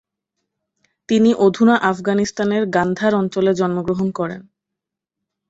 তিনি অধুনা আফগানিস্তানের গান্ধার অঞ্চলে জন্মগ্রহণ করেন।